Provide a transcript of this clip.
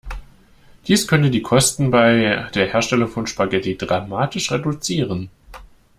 Dies könnte die Kosten bei der Herstellung von Spaghetti dramatisch reduzieren.